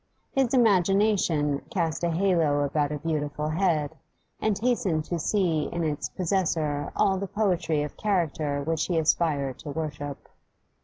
His imagination cast a halo about a beautiful head, and hastened to see in its possessor all the poetry of character which he aspired to worship.